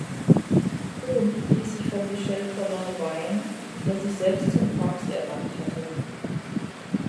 Kuhn liess sich von Michel Colin weihen, der sich selbst zum Papst ernannt hatte.